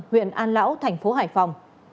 huyện an lão thành phố hải phòng